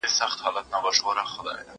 زه اوس سیر کوم!؟